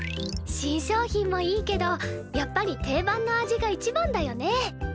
新商品もいいけどやっぱり定番の味が一番だよね。